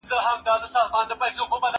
دا مينه له هغه ښکلي ده!!